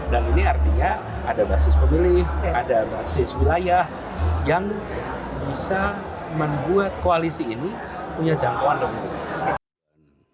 ini artinya ada basis pemilih ada basis wilayah yang bisa membuat koalisi ini punya jangkauan lebih besar